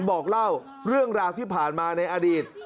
บอกเล่าเรื่องราวที่ผ่านมาในอดีต